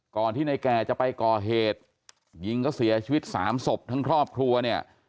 ที่ในแก่จะไปก่อเหตุยิงก็เสียชีวิตสามศพทั้งครอบครัวเนี่ย